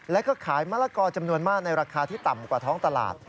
แล้วก็ขายมะละกอจำนวนมากในราคาที่ต่ำกว่าท้องตลาด